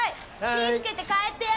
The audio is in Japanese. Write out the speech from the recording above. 気ぃ付けて帰ってや。